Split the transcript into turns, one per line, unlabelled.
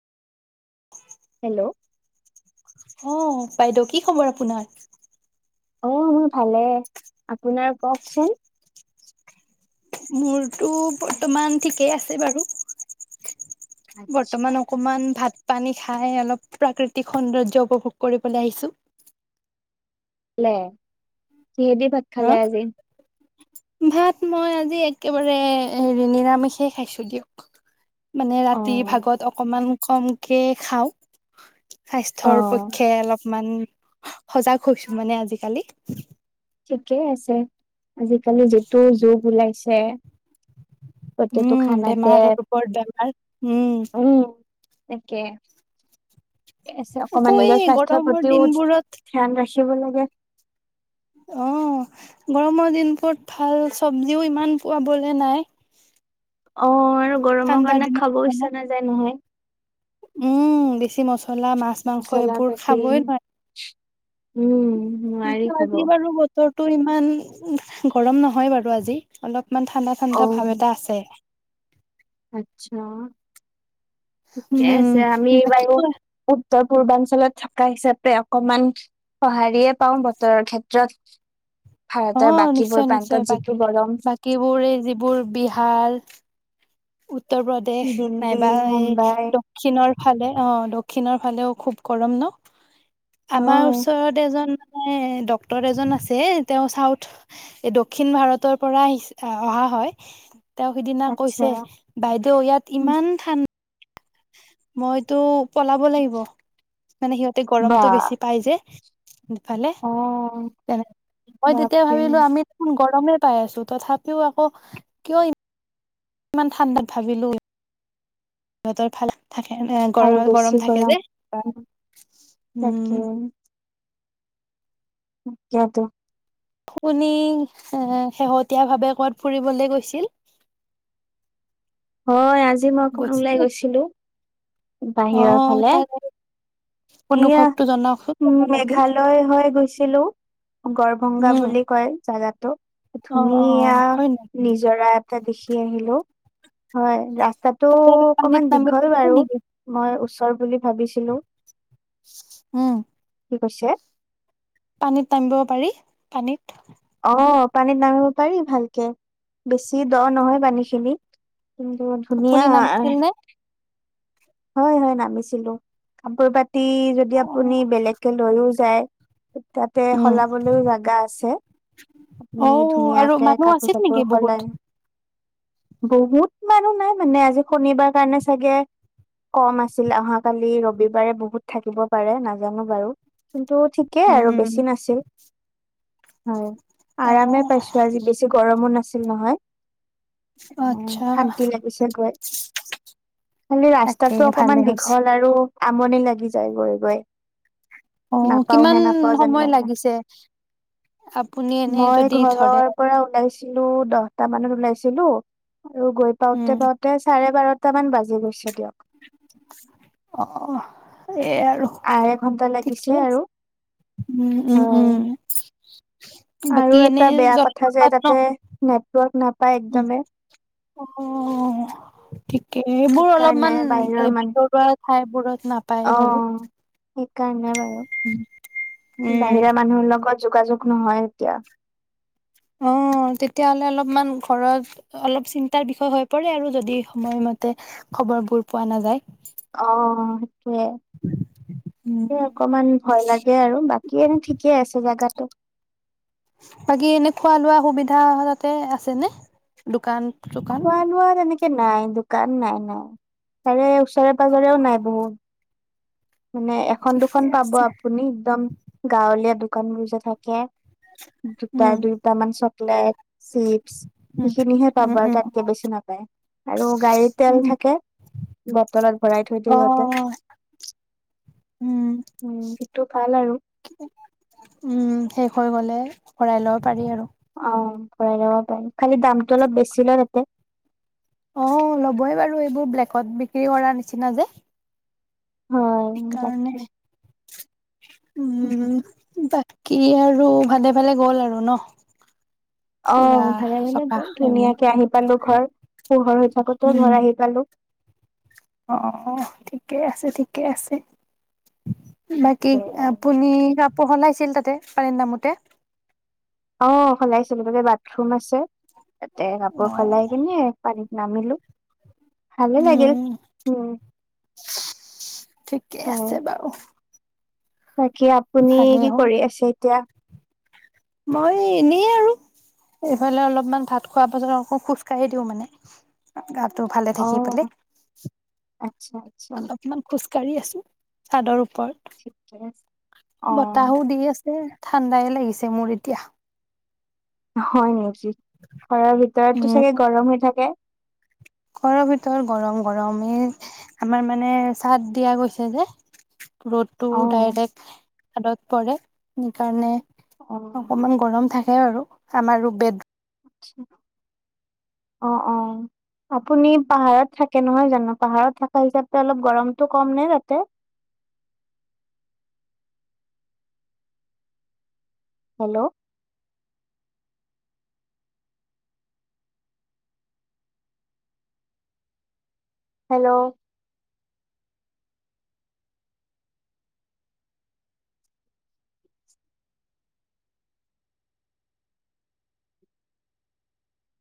[inaudible]
Hello.
অ' বাইদেউ কি খবৰ আপোনাৰ?
অ' মোৰ ভালে। আপোনাৰ কওকচোন।
মোৰতো বৰ্তমান ঠিকেই আছে বাৰু।
আচ্ছা
বৰ্তমান অকমান ভাত পানী খাই অলপ প্ৰাকৃতিক সৌন্দৰ্য উপভোগ কৰিবলৈ আহিছো।
প্লে কিহেদি ভাত খালে
হা
আজি?
ভাত মই আজি একেবাৰে হেৰি নিৰামিষে খাইছো দিয়ক। মানে
অ
ৰাতিভাগত অকমান কমকে খাওঁ!
অ
স্বাস্থ্যৰ পক্ষে অলপ ইমান সজাগ হৈছো মানে আজিকালি
ঠিকেই আছে আজিকালি যিটো যোগ ওলাইছে প্ৰতিটো
উম
খানাতে
বেমাৰৰ ওপৰত বেমাৰ উম
একে
আকৌ
অকমান
এই
নিজৰ স্বাস্থ্য
গৰমৰ
প্ৰতিও
দিনবোৰত
ধ্যান ৰাখ পঢ়িব লাগে
অ গৰমৰ দিনবোৰত ভাল চব্জিও ইমান পাবলৈ নাই
অ আৰু গৰমৰ
ঠাণ্ডাৰ
কাৰণে
দিনত
খাব
খানাত
ইচ্ছা নাযায় নহয়
উম বেছি মছ মছলা মাছ মাংস
মচলা
এইবোৰ
পাতি
খাবই নোৱি
উম নোৱাৰি
কি
খাব
আজি বাৰু বতৰ টো ইমান গৰম নহয় বাৰু আজি অলপ ইমান ঠাণ্ডা
অ
ঠাণ্ডা ভাৱ এটা আছে
আচ্ছা ঠিকে
উম,
আছে আমি
বাকী
বাৰু উত্তৰ পূৰ্বাঞ্চলত থকা হিচাপে অকমান সঁহাৰিয়ে পাও বতৰৰ ক্ষেত্ৰত
অ
ভাৰতৰ বাকীবোৰ
নিশ্চয়
প্ৰান্তত
নিশ্চয়
যিটো গৰম
বাকীবোৰে যিবোৰ বিহাৰ উত্তৰ প্ৰদেশ
দিল্লী
নাইবা এই
মুম্বাই
দক্ষিণৰ ফালে অ দক্ষিণৰ ফালেও খুব গৰম ন আমাৰ
হয়
ওচৰত এজন ডক্তৰ এজন আছে তেওঁ চাউথ দক্ষিণ ভাৰতৰ পৰা আহি অহা হয় তেওঁ সিদিনা
আচ্ছা
কৈছে বাইদেউ ইয়াত ইমান ঠাণ্ডা মইতো পলাব লাগিব মানে সিহঁতে
বা
গৰমতটো বেছি পাই যে ফালে
অ
মই তেতিয়া
বাপৰে
ভাবিলো আমি দেখ গমেই পাই আছো, তথাপিও আকৌ কিয় কিমান ঠাণ্ডাত ভাবিলোঁ সিহঁতৰ ফালে থাকে ন গৰ
আৰু বেছি
গৰম থাকে যে।
তাকে
উম,
কিয়টো
তুমি এ শেহতীয়া ভাৱে কত ফুৰিবলৈ গৈছিল?
হয়। আজি আজি মই অকনমান
গৈছিল
ওলাই গৈছিলো
অ
বাহিৰৰ ফালে,
তাৰ
এয়া
অনুভৱটো জনাওকচোন
উ,
কেনে লাগিল
মেঘালয় হৈ গৈছিল হেল্ল', গৰভংগা
উম
বুলি কয় জাগাত তোক।
অ অ
ধুনীয়া
হয় নেকি
নিজৰা এটা দেখি আহিলো। হয়, ৰা তাতো
পানীত
অকমান দীঘল
নামিব
বাৰু
নেকি
মই ওচৰ বুলি ভাবিছিলো।
উম,
কি কৈছে?
পানীত নামিব পাৰি পানীত।
অ' পানীত নামিব পাৰি ভালকে বেছি দ নহয় পানীখিনিত। কিন্তু
আপুনি নামিছিল
ধুনীয়া--‌।
নে
হয়-হয় নামিছিলো কাপোৰ পাতি।
অ
যদি আপুনি বেলেগকে লৈয়ও, যায়। তাতে
উম
সলাবলৈও জাগা আছে,
অ
আপুনি
আৰু
ধুনীয়াকে
মানুহ আছিল
কাপোৰ-চাপোৰ
নেকি বহুত
সলাই। বহুত মানুহ নাই মানে, আজি শনিবাৰ কাৰণে চাগে? কম আছিল অহাকালি ৰবিবাৰে বহুত থাকিব পাৰে নাজানো বাৰু। কিন্তু ঠিকেই
উম
আৰু
উম
বেছি নাছিল। হয়।
অ
আৰামে পাইছো, আজি বেছি গৰমো নাছিল ছিল নহয়।
আচ্ছা
শান্তি লাগিছে গৈ খালি ৰাস্তা
তাকে
তাতো
ভালে
অকমান
হৈছে
দীঘল আৰু আমনি লাগি যায়, গৈ-গৈ
অ' কিমান সময়
লাগে।
লাগিছে? আপুনি এনে যদি ধৰে,
ছিলো দহটা মানত ওলাইছিলো। আৰু গৈ
উম
পাওঁতে-পাওঁতে চাৰে বাৰত কেইটামান বাজি গৈছে দিয়ক
অহ ই য়ে আৰু
আঢ়ৈ ঘন্টা
ঠিকে
লাগিছে আৰু
আছে উম উম
হয়।
উম বাকী
আৰু
এনে
এটা বেয়া কথা যে তাতে নেটৱৰ্ক নাপাই
উম, অহ থিকে সেইবোৰ
সেইকাৰণে
অলপমান এ
বাহিৰৰ মান
ভিতৰুৱা ঠাই বোৰত
অ
নাপায়ে বাৰু
সেইকাৰণে বা [unintelligible]
উম
বাহিৰা মানুহৰ লগত যোগাযোগ নহয় এতিয়া
অহ, তেতিয়াহ'লে অলপমান ঘৰত অলপ চিন্তাৰ বিষয় হৈ পৰে আৰু যদি সময়মতে খবৰবোৰ পোৱা নাযায়।
সেয়ে
উম
সে অকমান ভয় লাগে আৰু বাকী এনে ঠিকে আছে জেগাটো।
বাকী এনে খোৱা- লোৱা সুবিধা তাতে আছে নে দোকান চোকান
খোৱা লোৱা তেনেকে নাই দোকান নাই- নাই তাৰে ওচৰত ওচৰে
অ
-পাজৰেও নাই বহুত মানে এখন,
ঠিকে
দুখন পাব
আছে
আপুনি একদম গাঁৱলীয়া দু [unintelligible] থাকে দুটা
উম
-দুইটা মান চ নাই চিপছ
উম
হিখিনিহে পাব
উম
আৰু
উম
তাতকে বেছি নাপায় আৰু গাড়ীৰ তেল
উম
থাকে বটলত ভৰাই থৈ দিয়ে
অ
সিহঁতে।
উম
উম সেইটো ভাল আৰু
[inaudible] উম সে হৈ গলে ভৰাই লব পাৰি আৰু।
অহ, ভৰাই লব পাৰি খালি দামটো অলপ বেছি লয় তাতে।
অহ, ল'বই বাৰু এইবোৰ ব্লেকত বিক্ৰী কৰাৰ নিচিনা যে।
হয়
সেইকাৰণে
তাকে
উম ব কি আৰু ভালে ভালে গ'ল আৰু ন'?
অহ,
ফুৰা
ভালে -ভালে
চকা
গ'ল
সেইবোৰ
ধুনীয়াকে আহি পালো। ঘৰ পোহৰ। চাকত
উম
ধৰা হ পালো।
অ ঠিকেই আছে ঠিকে আছে। বাকিআপুনি ক। পঢ়নাইছিল তাতে পান নামতে।
অ সলাইছিলো ততে বাথৰুম আছে। তাতে
অ
কাপোৰ সলাই কিনে পানী। নামিলো। ভালে লাগিল
উম
উম
ঠিকে
হয়
আছে বাৰু
বাকী আপুনি
ভালেই
কি
হ'ল
কৰি আছে এতিয়া
মই এনেই আৰু এইফালে অলপমান ভাত খোৱাৰ পাছত আকৌ খোজ কঢ়ি দিওঁ মানে গাত তোৰ ভালে
অ
থাকি পলে
আচ্ছা আচ্ছা
অলপমান খোজ কাঢ়ি আছো চাদৰ ওপৰত
ঠিকে আছে অ
বতাহো দি আছে ঠাণ্ডাই লাগিছে মোৰ এতিয়া
হয় নেকি ঘৰৰ ভিতৰতটো চাগে
উম
গৰম হৈ থাকে
ঘৰৰ ভিতৰত গৰম গৰমেই আমাৰ মানে চাদ দিয়া গৈছে যে ৰ'ডটো
অ
ডাইৰেক্ট হাতত পৰে সেইকাৰণে
অ
অকমান গৰম থাকে সেই আৰু আমাৰ বেডম
অ অ আপুনি পাহাৰত থাকে নহয় জানো পাহাৰত থকা হিচাপ অলপ গৰমতটো কম নে তাতে হেল্ল' হেল্ল'